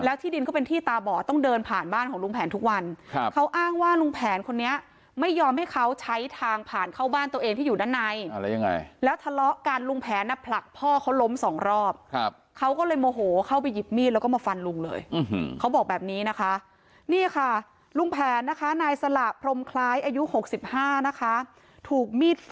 ที่ดินก็เป็นที่ตาบอดต้องเดินผ่านบ้านของลุงแผนทุกวันครับเขาอ้างว่าลุงแผนคนนี้ไม่ยอมให้เขาใช้ทางผ่านเข้าบ้านตัวเองที่อยู่ด้านในแล้วยังไงแล้วทะเลาะกันลุงแผนน่ะผลักพ่อเขาล้มสองรอบครับเขาก็เลยโมโหเข้าไปหยิบมีดแล้วก็มาฟันลุงเลยเขาบอกแบบนี้นะคะนี่ค่ะลุงแผนนะคะนายสละพรมคล้ายอายุ๖๕นะคะถูกมีด